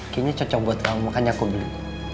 kayaknya cocok buat kamu makanya aku beli